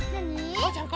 おうちゃん